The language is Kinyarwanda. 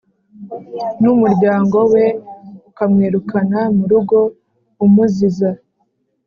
N umuryango we ukamwirukana mu rugo umuziza